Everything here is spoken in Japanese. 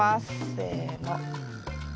せの。